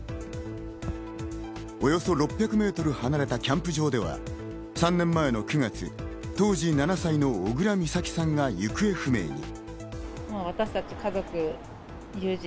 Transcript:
およそ６００メートル離れたキャンプ場では３年前の９月、当時７歳の小倉美咲さんが行方不明に。